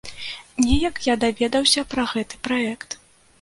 Неяк я даведаўся пра гэты праект.